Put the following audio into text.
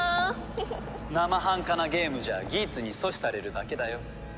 生半可なゲームじゃギーツに阻止されるだけだよ。